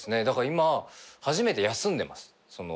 だから今初めて休んでます。